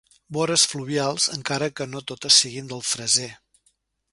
Vores fluvials, encara que no totes siguin del Freser.